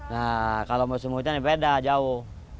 nah kalau musim hujan ya beda jauh